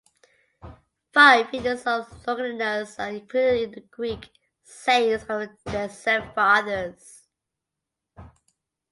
Five vignettes of Longinus are included in the Greek "Sayings of the Desert Fathers".